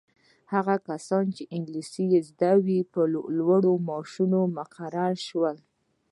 هغه کسان انګلیسي یې زده وه په لوړو معاشونو مقرر شول.